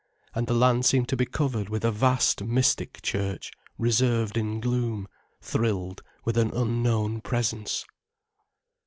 And the land seemed to be covered with a vast, mystic church, reserved in gloom, thrilled with an unknown Presence.